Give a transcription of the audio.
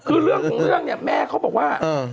คือเรื่องเนี่ยแม่เขาบอกว่า